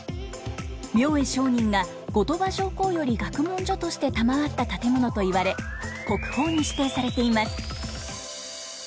明恵上人が後鳥羽上皇より学問所として賜った建物といわれ国宝に指定されています。